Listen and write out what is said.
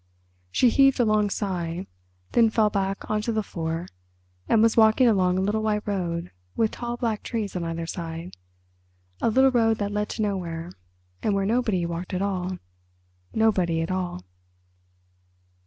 She heaved a long sigh, then fell back on to the floor, and was walking along a little white road with tall black trees on either side, a little road that led to nowhere, and where nobody walked at all—nobody at all.